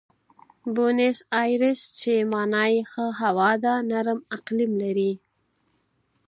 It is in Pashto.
بونیس ایرس چې مانا یې ښه هوا ده، نرم اقلیم لري.